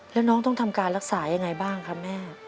แล้วน้องต้องทำการรักษายังไงบ้างครับแม่